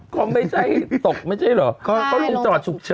ก็ไม่ใช่ตกไม่ใช่เหรอก็ลงจอดฉุกเฉิน